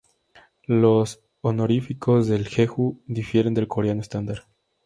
Los honoríficos del jeju difieren del coreano estándar.